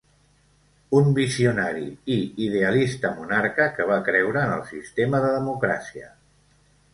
Un visionari i idealista monarca que va creure en el sistema de democràcia.